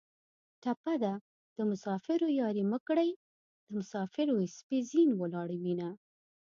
ټپه ده: د مسافرو یارۍ مه کړئ د مسافرو اسپې زین ولاړې وینه